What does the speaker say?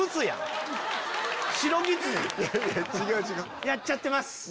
やっちゃってます！